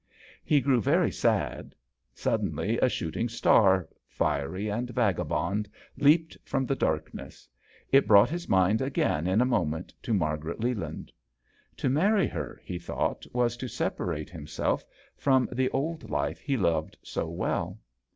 He. grew very sad. Suddenly a shooting star, fiery and vagabond,, leaped from the darkness. It brought his mind again in a moment to Margaret Leland. To marry her, he thought, was to separate himself from the old life he loved so well.